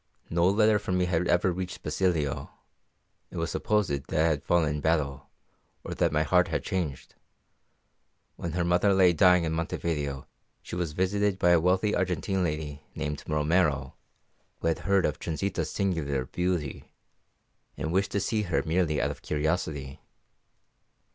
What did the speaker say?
No letter from me had ever reached Basilio; it was supposed that I had fallen in battle, or that my heart had changed. When her mother lay dying in Montevideo she was visited by a wealthy Argentine lady named Romero, who had heard of Transita's singular beauty, and wished to see her merely out of curiosity.